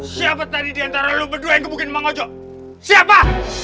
siapa tadi diantara lu berdua yang kebukin manggung siapa